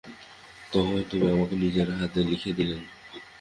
তখন তিনি আমাকে নিজের হাতে লিখে দিলেন।